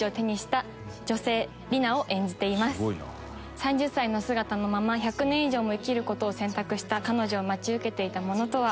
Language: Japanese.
３０歳の姿のまま１００年以上も生きる事を選択した彼女を待ち受けていたものとは？